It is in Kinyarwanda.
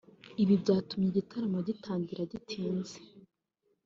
ibi byatumye igitaramo gitangira gitinze